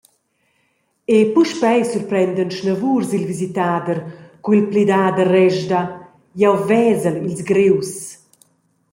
E puspei surprendan snavurs il visitader cu il plidader resda: «Jeu vesel ils grius!